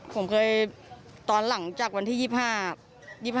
ผมเคยตอนหลังจากวันที่๒๕